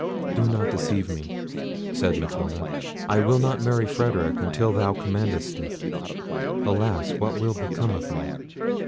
"Do not deceive me," said Matilda. "I will not marry Frederic until thou commandest it. Alas! what will become of me?"